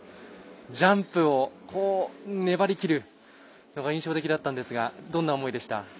ジャンプを粘りきるのが印象的だったんですがどんな思いでした？